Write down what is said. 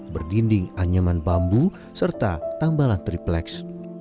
berdinding anyaman bambu serta tambalan tripleks